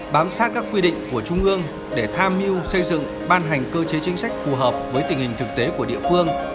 bám sát các quy định của trung ương để tham mưu xây dựng ban hành cơ chế chính sách phù hợp với tình hình thực tế của địa phương